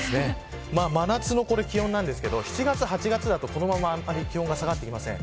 真夏の気温ですが７月、８月とこのまま気温が下がっていきません。